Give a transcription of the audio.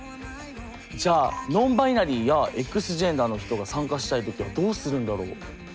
じゃあノンバイナリーやＸジェンダーの人が参加したい時はどうするんだろう？